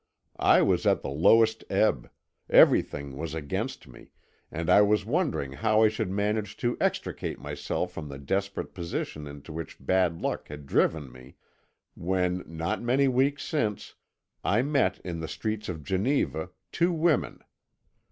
I was at the lowest ebb, everything was against me, and I was wondering how I should manage to extricate myself from the desperate position into which bad luck had driven me, when, not many weeks since, I met in the streets of Geneva two women.